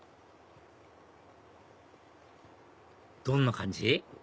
どんな感じ？